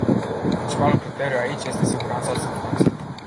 Principalul criteriu aici este siguranța substanțelor.